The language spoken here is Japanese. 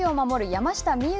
山下美夢